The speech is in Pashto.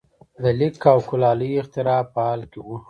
د لیک او کولالۍ اختراع په حال کې وو.